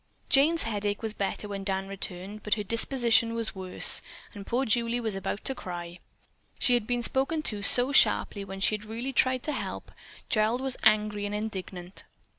Jane's headache was better when Dan returned, but her disposition was worse, and poor Julie was about ready to cry. She had been spoken to so sharply when she had really tried to help. Gerald was angry and indignant.